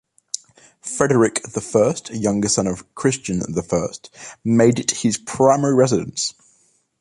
Frederick the First, younger son of Christian the First, made it his primary residence.